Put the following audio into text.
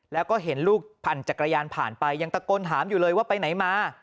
แล้วก็เห็นลูกปั่นจักรยานผ่านไปยังตะโกนถามอยู่เลยว่าไปไหนมา